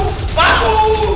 pak pak hantu